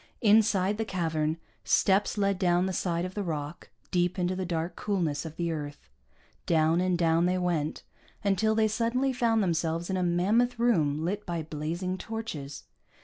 Inside the cavern, steps led down the side of the rock, deep into the dark coolness of the earth. Down and down they went, until they suddenly found themselves in a mammoth room lit by blazing torches.